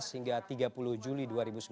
hingga tiga puluh juli dua ribu sembilan belas